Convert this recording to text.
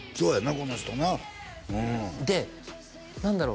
この人なうんで何だろう